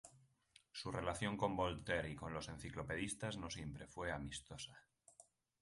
Su relación con Voltaire y con los enciclopedistas no siempre fue amistosa.